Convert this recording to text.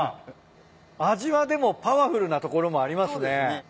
味はでもパワフルなところもありますね。